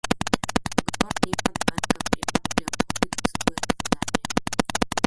Kdor nima nobenega prijatelja, hodi kot tujec po zemlji.